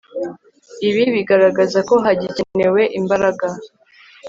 ibi bigaragaza ko hagikenewe imbaraga